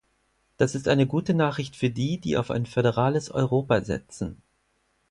Das ist eine gute Nachricht für die, die auf ein föderales Europa setzen.